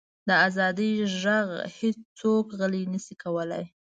د ازادۍ ږغ هیڅوک غلی نه شي کولی.